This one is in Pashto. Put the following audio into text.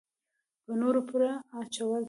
په نورو پړه اچول.